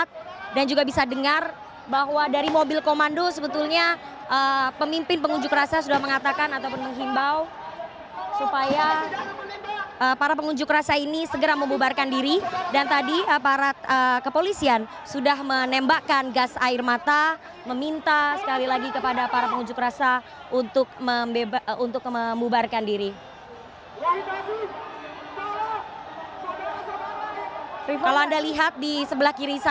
yang anda dengar saat ini sepertinya adalah ajakan untuk berjuang bersama kita untuk keadilan dan kebenaran saudara saudara